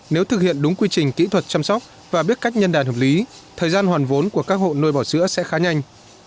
nếu thực hiện đúng quy trình kỹ thuật chăm sóc và biết cách nhân đàn hợp lý thời gian hoàn vốn của các hộ nuôi bò sữa sẽ khá nhanh